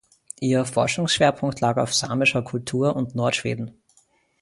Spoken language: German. Ihr Forschungsschwerpunkt lag auf samischer Kultur und Nordschweden.